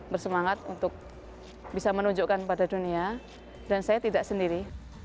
bersemangat untuk bisa menunjukkan pada dunia dan saya tidak sendiri